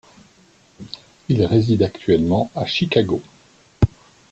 Il réside actuellement à Chicago.